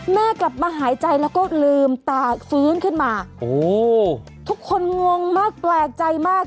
แม่กลับมาหายใจแล้วก็ลืมตาฟื้นขึ้นมาโอ้ทุกคนงงมากแปลกใจมาก